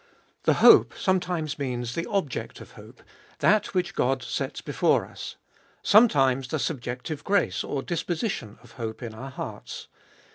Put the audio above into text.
The hope sometimes means the object of hope, that which God sets before us ; sometimes the subjective grace or disposition of hope in our hearts.